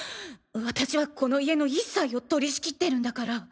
私はこの家の一切を取り仕切ってるんだから。